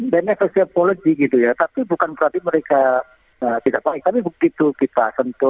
dia bilang itu saya hamdan gitu kan